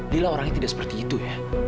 lila orangnya tidak seperti itu ya